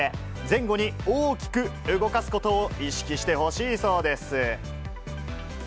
前後に大きく動かすことを意識してほしいそうです。